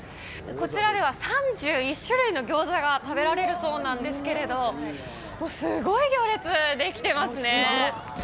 こちらでは３１種類のギョーザが食べられるそうなんですけど、すごい行列、出来てますね。